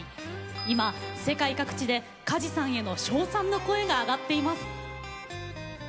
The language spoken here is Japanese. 今、世界各地で梶さんへの称賛の声が上がっています。